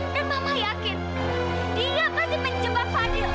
dan mama yakin dia pasti menjembat fadil